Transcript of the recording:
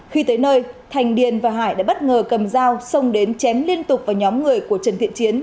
khi tới nơi thành điền và hải đã bất ngờ cầm dao xông đến chém liên tục vào nhóm người của trần thiện chiến